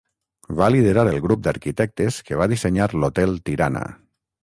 Va liderar el grup d'arquitectes que va dissenyar l'Hotel Tirana.